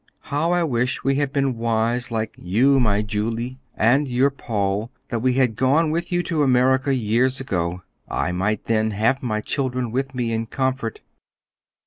How I wish we had been wise like you, my Julie, and your Paul, and that we had gone, with you to America years ago! I might then have my children with me in comfort.